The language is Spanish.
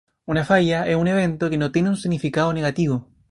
Una falla es un evento que tiene un significado negativo.